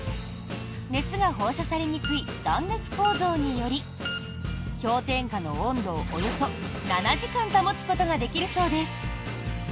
熱が放射されにくい断熱構造により氷点下の温度をおよそ７時間保つことができるそうです。